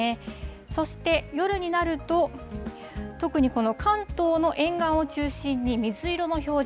そして夜になると、特にこの関東の沿岸を中心に水色の表示。